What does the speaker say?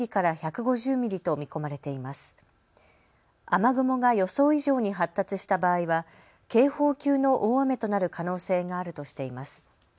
雨雲が予想以上に発達した場合は警報級の大雨となる可能性があるとしています。